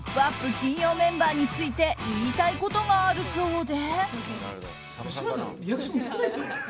金曜メンバーについて言いたいことがあるそうで。